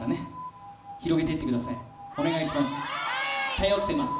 頼ってます。